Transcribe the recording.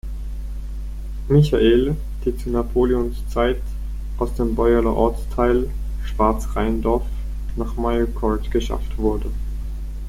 Michael“, die zu Napoleons Zeit aus dem Beueler Ortsteil Schwarzrheindorf nach Mirecourt geschafft wurde.